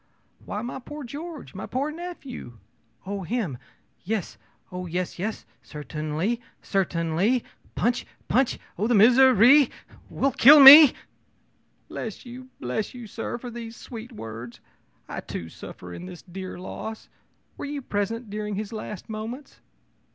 ō'Why, my poor George! my poor nephew!' ō'Oh him! Yes oh, yes, yes. Certainly certainly. Punch punch oh, this misery will kill me!' ō'Bless you! bless you, sir, for these sweet words! I, too, suffer in this dear loss. Were you present during his last moments?'